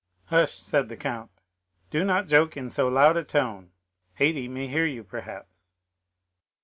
"Hush," said the count, "do not joke in so loud a tone; Haydée may hear you, perhaps."